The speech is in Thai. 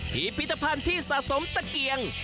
พิพิธภัณฑ์ที่สะสมตะเกียง